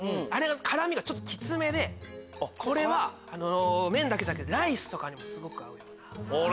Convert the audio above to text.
辛みがちょっときつめで麺だけじゃなくてライスとかにもすごく合うような。